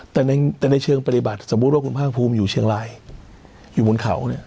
แต่ในเชิงปฏิบัติสมมุติว่าคุณภาคภูมิอยู่เชียงรายอยู่บนเขาเนี่ย